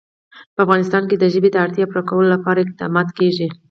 په افغانستان کې د ژبې د اړتیاوو پوره کولو لپاره اقدامات کېږي.